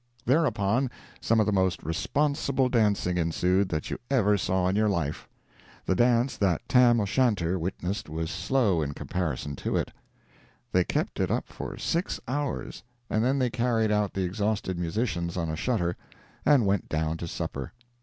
Thereupon, some of the most responsible dancing ensued that you ever saw in your life. The dance that Tam O'Shanter witnessed was slow in comparison to it. They kept it up for six hours, and then they carried out the exhausted musicians on a shutter, and went down to supper.